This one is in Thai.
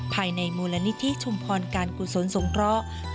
ภายในมูลนิธิชุมพรการกุศลสงเคราะห์